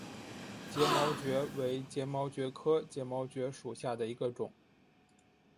睫毛蕨为睫毛蕨科睫毛蕨属下的一个种。